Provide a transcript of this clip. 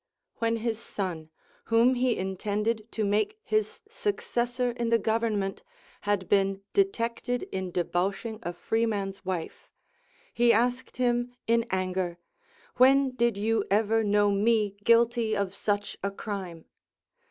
When his son, whom he intended to make his successor in the government, had been detected in debauching a freeman's wife, he asked him in anger. When did you ever know me guilty of such a crime